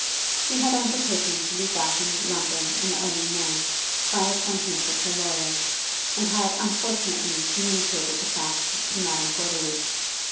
She had undertaken to be back in London early in May, by appointment with her lawyer, and had unfortunately communicated the fact to Madame Gordeloup.